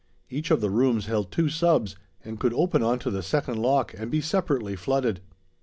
Each of the rooms held two subs, and could open onto the second lock and be separately flooded.